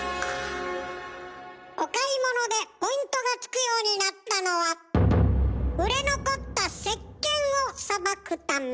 お買い物でポイントがつくようになったのは売れ残ったせっけんをさばくため。